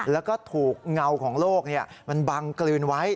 แล้วก็ถูกเงาของโลกมันบังกลืนไว้